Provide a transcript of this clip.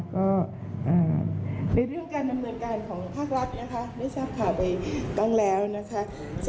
ก็ในเรื่องการดำเนินการของภาครัฐนะคะได้ทราบข่าวไปตั้งแล้วนะคะ